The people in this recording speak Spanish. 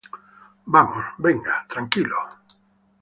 vamos. venga. tranquilo.